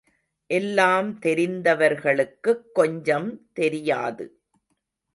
எல்லாம் தெரிந்தவர்களுக்குக் கொஞ்சம் தெரியாது.